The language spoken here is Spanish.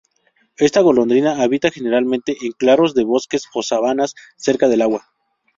Esta golondrina habita generalmente en claros de bosques, o sabanas, cerca del agua.